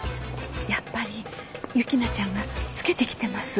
やっぱり雪菜ちゃんがつけてきてます。